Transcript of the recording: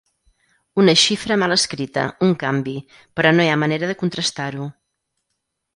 Una xifra mal escrita, un canvi… però no hi ha manera de contrastar-ho.